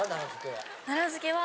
奈良漬は。